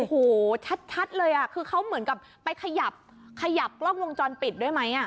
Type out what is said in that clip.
โอ้โหชัดเลยคือเขาเหมือนกับไปขยับขยับกล้องวงจรปิดด้วยไหม